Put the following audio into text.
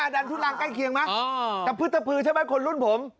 ดันผู้รังใกล้เคียงไหมตะพื้ดตะพื้นใช่ไหมคนรุ่นผม